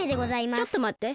ちょっとまって。